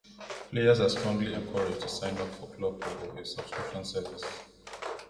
Players are strongly encouraged to sign up for Club Pogo, a subscription service.